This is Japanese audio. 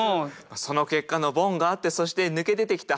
その結果のボンがあってそして抜け出てきた半ボン